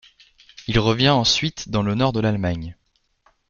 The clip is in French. Il revient ensuite dans le nord de l'Allemagne.